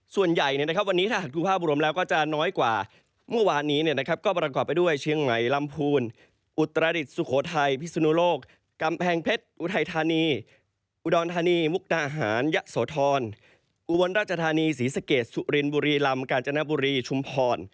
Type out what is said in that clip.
สถานการณ์ฝนก่อนนะครับภาพแรก